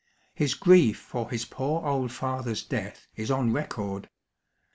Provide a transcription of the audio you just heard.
His grief for his poor old father's death is on record.